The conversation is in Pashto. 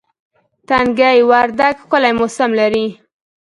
تنگي وردک ښکلی موسم لري